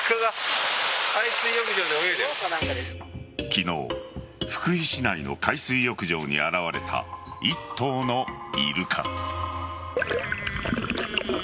昨日、福井市内の海水浴場に現れた１頭のイルカ。